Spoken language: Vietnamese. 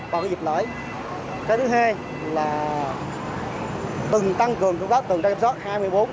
còn cái dịp lễ cái thứ hai là từng tăng cường tồn tra kiểm soát hai mươi bốn h hai mươi bốn